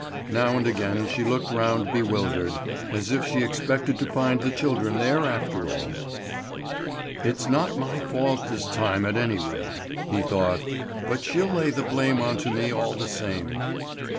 Now and again she looked round bewildered, as if she expected to find the children there after all. "It's not my fault this time at any rate," he thought; "but she'll lay the blame on to me all the same."